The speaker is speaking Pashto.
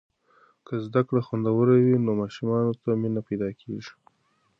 که زده کړه خوندوره وي، نو ماشومانو ته مینه پیدا کیږي.